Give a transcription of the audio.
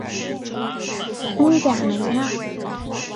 恩贾梅纳。